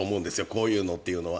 こういうのというのは。